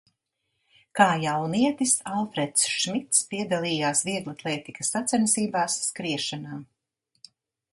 Kā jaunietis Alfreds Šmits piedalījās vieglatlētikas sacensībās skriešanā.